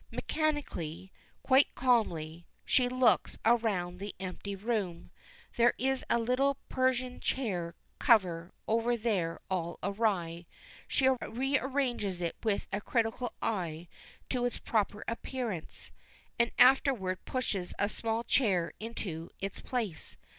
Mechanically, quite calmly, she looks around the empty room. There is a little Persian chair cover over there all awry. She rearranges it with a critical eye to its proper appearance, and afterward pushes a small chair into its place.